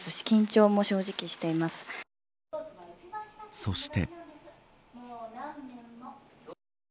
そして。